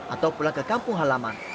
atau pulang ke kampung halaman